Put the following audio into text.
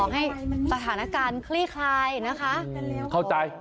ขอให้ปธานการณ์คลี่คลายนะคะ